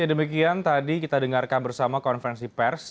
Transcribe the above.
ya demikian tadi kita dengarkan bersama konferensi pers